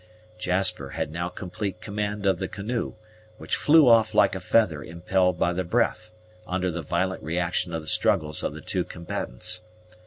Jasper had now complete command of the canoe, which flew off like a feather impelled by the breath under the violent reaction of the struggles of the two combatants.